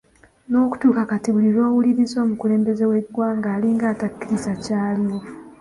N'okutuuka kati buli lw'owuliriza omukulembeze w'eggwanga, alinga atakkiriza kyaliwo.